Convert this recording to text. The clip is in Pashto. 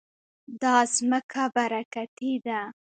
دا ځمکه برکتي ده.